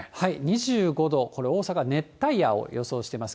２５度、これ、大阪、熱帯夜を予想してます。